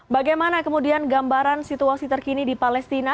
bagaimana kemudian gambaran situasi terkini di palestina